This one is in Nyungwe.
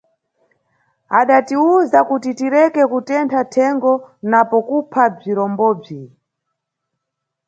Adatiwuza kuti tireke kutentha thengo napo kupha bzirombobzi.